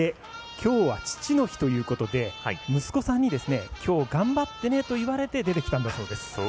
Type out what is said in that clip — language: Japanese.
きょうは父の日ということで息子さんにきょう頑張ってねと言われて出てきたんだそうです。